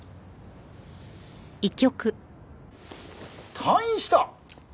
退院した！？